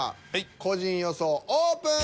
個人予想オープン。